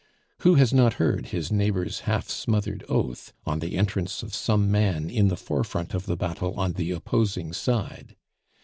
Who has not heard his neighbor's half smothered oath on the entrance of some man in the forefront of the battle on the opposing side?